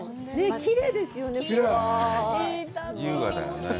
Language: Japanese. きれいですよね？